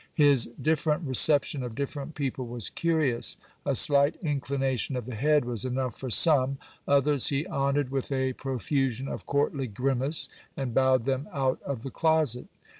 His different reception of different people was curious. A slight inclination of the head was enough for some ; others he honoured with a pro fusion of courtly grimace, and bowed them out of the closet.